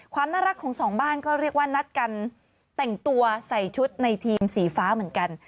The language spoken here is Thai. ความน่ารักของสองบ้านก็เรียกว่านัดกันแต่งตัวใส่ชุดในทีมสีฟ้าเหมือนกัน